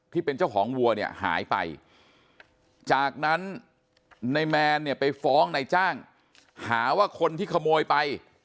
ที่เป็นเจ้าของวัวเนี่ยหายไปจากนั้นในแมนเนี่ยไปฟ้องนายจ้างหาว่าคนที่ขโมยไป